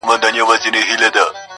یا د جنګ پر ډګر موږ پهلواني کړه-